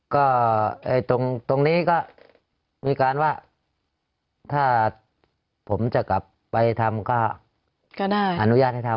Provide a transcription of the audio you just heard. ก็ตรงนี้ก็มีการว่าถ้าผมจะกลับไปทำก็ได้อนุญาตให้ทำ